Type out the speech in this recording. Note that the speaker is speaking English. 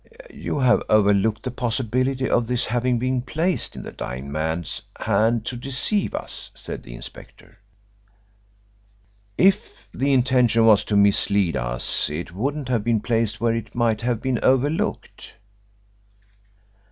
"You have overlooked the possibility of this having been placed in the dying man's hand to deceive us," said the inspector. "If the intention was to mislead us it wouldn't have been placed where it might have been overlooked."